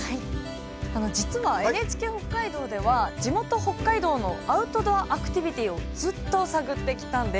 実はＮＨＫ北海道では地元北海道のアウトドアアクティビティーをずっと探ってきたんです。